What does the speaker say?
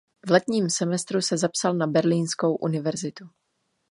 V letním semestru se zapsal na Berlínskou univerzitu.